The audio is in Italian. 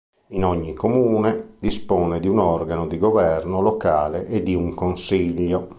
In ogni comune dispone di un organo di governo locale e di un consiglio.